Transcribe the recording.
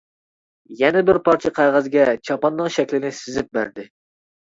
يەنە بىر پارچە قەغەزگە چاپاننىڭ شەكلىنى سىزىپ بەردى.